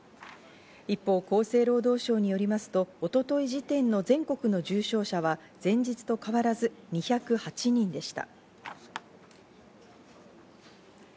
一方、厚生労働省によりますと、一昨日時点の全国の重症者は前日と変わらず２０８人でした。